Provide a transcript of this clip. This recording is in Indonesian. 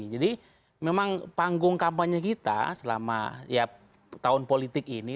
jadi memang panggung kampanye kita selama tahun politik ini